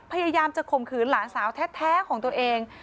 พยายามจะข่มขืนหลานสาวแท้ของตัวเอง